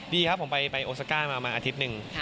ดีครับผมไปโอซาก้ามาอาทิตย์หนึ่ง